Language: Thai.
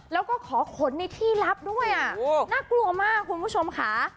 แล้วก็ขอขนในที่ลับด้วยน่ากลัวมากคุณผู้ชมค่ะ